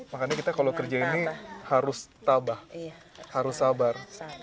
makanya kita kalau kerja ini harus tabah harus sabar